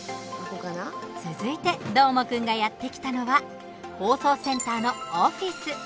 続いてどーもくんがやって来たのは放送センターのオフィス。